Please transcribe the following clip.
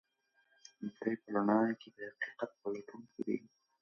دی په رڼا کې د حقیقت پلټونکی دی.